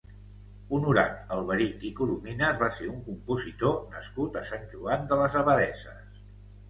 Honorat Alberich i Corominas va ser un compositor nascut a Sant Joan de les Abadesses.